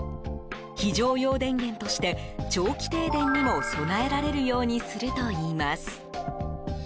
非常用電源として長期停電にも備えられるようにするといいます。